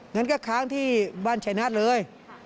งั้นก็ค้างที่บ้านชัยนัทเลย